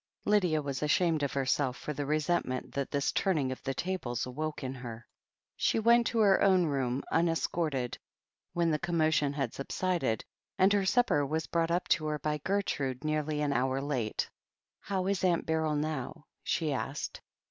Lydia was ashamed of herself for the resentment that this turning of the tables awoke in her. She went to her own room, unescorted, when the commotion had subsided, and her supper was brought up to her by Gertrude nearly an hour late. 'How is Aunt Beryl now?" she asked.